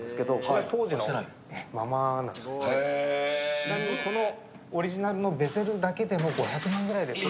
ちなみにこのオリジナルのベゼルだけでも５００万くらい。